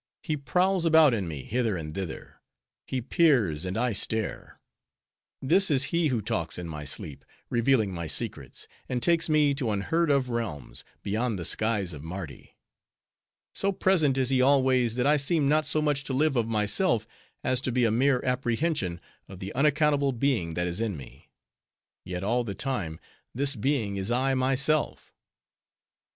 He prowls about in me, hither and thither; he peers, and I stare. This is he who talks in my sleep, revealing my secrets; and takes me to unheard of realms, beyond the skies of Mardi. So present is he always, that I seem not so much to live of myself, as to be a mere apprehension of the unaccountable being that is in me. Yet all the time, this being is I, myself."